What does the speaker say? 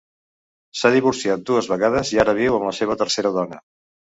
S'ha divorciat dues vegades i ara viu amb la seva tercera dona.